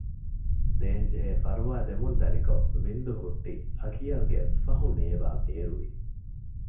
ދޭންޖެހޭ ފަރުވާދެމުން ދަނިކޮށް ވިންދުހުއްޓި އަކިޔަލްގެ ފަހުނޭވާ ބޭރުވި